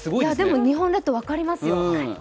でも日本列島、分かりますよ